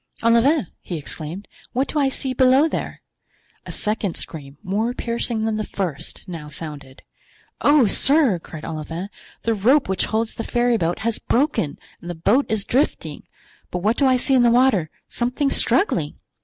"Olivain!" he exclaimed, "what do I see below there?" A second scream, more piercing than the first, now sounded. "Oh, sir!" cried Olivain, "the rope which holds the ferryboat has broken and the boat is drifting. But what do I see in the water—something struggling?"